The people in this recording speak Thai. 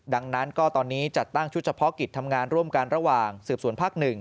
ดังนั้นก็ตอนนี้จัดตั้งชุดเฉพาะกิจทำงานร่วมกันระหว่างสืบสวนภาค๑